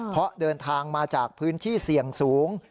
เพราะเดินทางมาจากพื้นที่เสี่ยงสูง